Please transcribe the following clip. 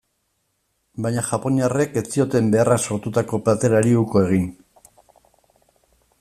Baina japoniarrek ez zioten beharrak sortutako plater hari uko egin.